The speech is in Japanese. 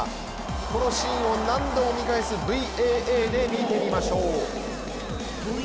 このシーンを、何度も見返すＶＡＡで見てみましょう。